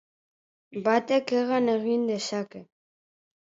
Batek hegan egin dezake.